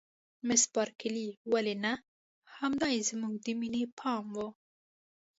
مس بارکلي: ولې نه؟ همدای زموږ د مینې پای و.